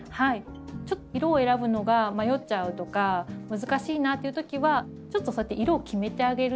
ちょっと色を選ぶのが迷っちゃうとか難しいなっていうときはちょっとそうやって色を決めてあげると。